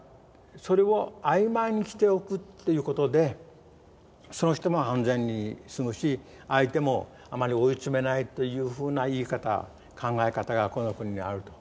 それを曖昧にしておくっていうことでその人も安全に済むし相手もあまり追い詰めないというふうな言い方考え方がこの国にはあると。